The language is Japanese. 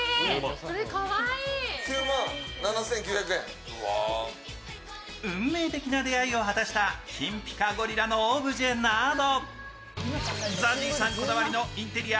更に運命的な出会いを果たした金ピカゴリラのオブジェなど。